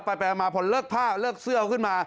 ไปมาพอเลิกผ้าเลิกเสื้อเอาขึ้นมา